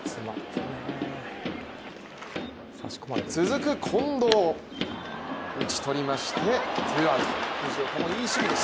続く、近藤、打ち取りましてツーアウト。